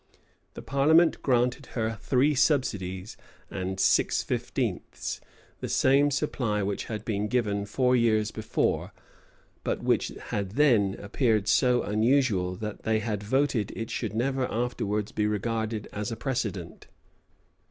[*] The parliament granted her three subsidies and six fifteenths; the same supply which had been given four years before, but which had then appeared so unusual, that they had voted it should never afterwards be regarded as a precedent.